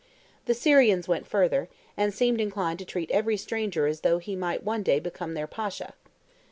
The Syrians went further, and seemed inclined to treat every stranger as though he might one day become their Pasha.